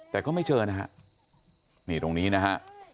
แต่ก็ไม่เจอนะฮะนี่ตรงนี้นะฮะ